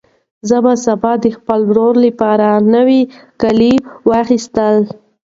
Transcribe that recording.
زه به سبا د خپل ورور لپاره نوي کالي واخیستل.